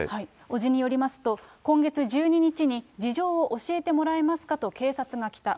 伯父によりますと、今月１２日に事情を教えてもらえますかと、警察が来た。